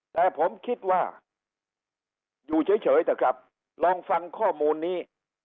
แต่ผมคิดว่าอยู่เฉยเถอะครับลองฟังข้อมูลนี้